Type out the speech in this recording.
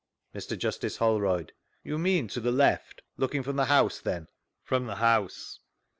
Mr Justice Holrovd: You mean to the left, looking from the house, then ?— From the house.